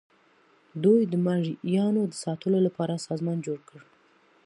دوی د مرئیانو د ساتلو لپاره سازمان جوړ کړ.